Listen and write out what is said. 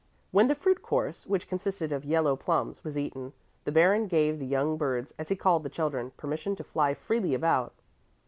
When the fruit course, which consisted of yellow plums, was eaten, the Baron gave the young birds, as he called the children, permission to fly freely about.